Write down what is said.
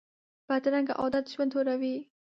بدرنګه عادت ژوند توروي